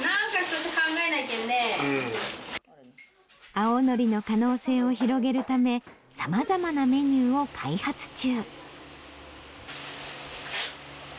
青のりの可能性を広げるため様々なメニューを開発中。